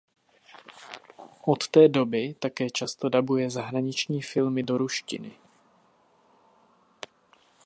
Od té doby také často dabuje zahraniční filmy do ruštiny.